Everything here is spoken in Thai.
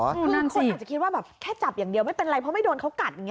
ครึ่งคงคงจะคิดแบบแค่จับอย่างเดียวไม่เป็นไรเพราะไม่โดนเขากัน